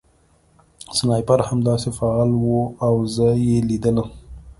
سنایپر همداسې فعال و او زه یې لیدلم